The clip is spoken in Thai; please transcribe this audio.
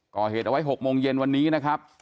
ก่อเหตุเอาไว้๖โมงเย็นวันนี้นะครับ